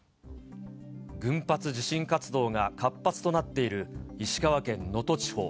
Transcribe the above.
群発地震活動が活発となっている石川県能登地方。